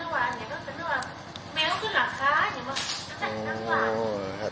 แมวขึ้นหลังค้า